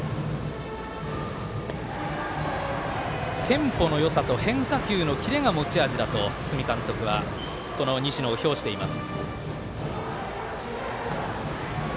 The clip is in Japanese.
テンポのよさと変化球のキレが持ち味だと堤監督はこの西野を評しています。